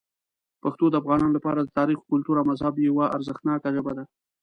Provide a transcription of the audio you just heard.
پښتو د افغانانو لپاره د تاریخ، کلتور او مذهب یوه ارزښتناک ژبه ده.